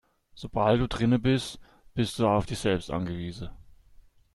Sobald du drinnen bist, bist du auf dich selbst angewiesen.